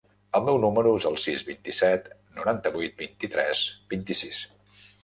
El meu número es el sis, vint-i-set, noranta-vuit, vint-i-tres, vint-i-sis.